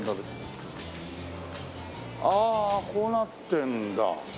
ああこうなってるんだ。